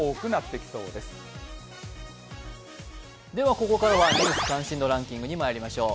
ここからは「ニュース関心度ランキング」にまいりましょう。